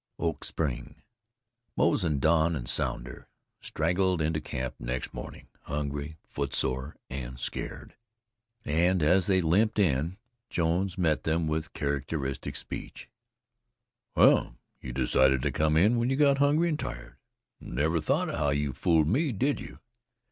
OAK SPRING Moze and Don and Sounder straggled into camp next morning, hungry, footsore and scarred; and as they limped in, Jones met them with characteristic speech: "Well, you decided to come in when you got hungry and tired? Never thought of how you fooled me, did you?